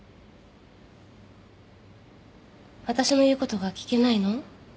私の言うことが聞けないの？